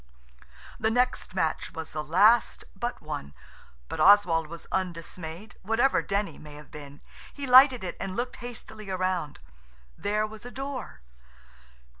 The next match was the last but one, but Oswald was undismayed, whatever Denny may have been. He lighted it and looked hastily round. There was a door.